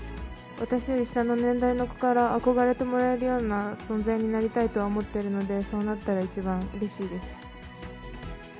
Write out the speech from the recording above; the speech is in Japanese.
私より下の年代の子から憧れてもらえるような存在になりたいとは思ってるので、そうなったら一番うれしいです。